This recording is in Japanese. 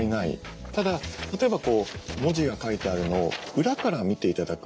ただ例えば文字が書いてあるのを裏から見て頂くっていう。